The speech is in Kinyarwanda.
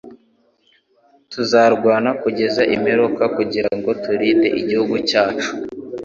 Tuzarwana kugeza imperuka kugirango turinde igihugu cyacu